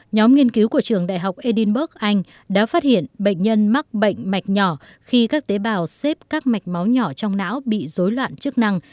nhóm nghiên cứu của trường đại học einburg anh đã phát hiện bệnh nhân mắc bệnh mạch nhỏ khi các tế bào xếp các mạch máu nhỏ trong não bị dối loạn chức năng